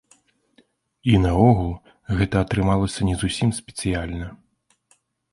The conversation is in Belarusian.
І наогул, гэта атрымалася не зусім спецыяльна.